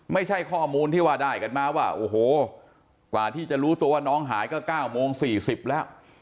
ไม่ใช่ข้อมูลที่ว่าได้กันมาว่าโอ้โหกว่าที่จะรู้ตัวว่าน้องหายก็๙โมง๔๐แล้ว